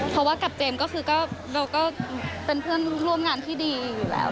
เพราะว่ากับเจมส์ก็คือเราก็เป็นเพื่อนร่วมงานที่ดีอยู่แล้ว